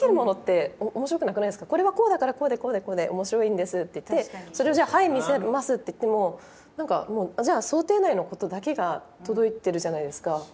「これはこうだからこうでこうでこうで面白いんです」って言ってそれを「じゃあはい見せます」って言っても何かもうじゃあ想定内のことだけが届いてるじゃないですか。